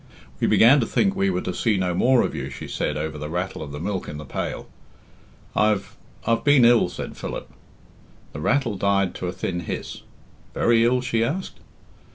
"We began to think we were to see no more of you," she said, over the rattle of the milk in the pail. "I've I've been ill," said Philip. The rattle died to a thin hiss. "Very ill?" she asked.